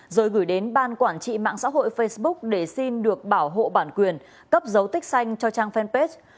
rồi gửi đến ban quản trị mạng xã hội facebook để xin được bảo hộ bản quyền cấp dấu tích xanh cho trang fanpage